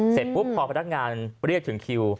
เสร็จปุ๊บพอพนักงานเรียกถึงคิว